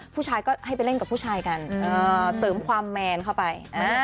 ผู้ชายก็ให้ไปเล่นกับผู้ชายกันเสริมความแมนเข้าไป